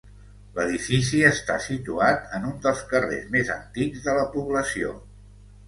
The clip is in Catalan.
L'edifici està situat en un dels carrers més antics de la població.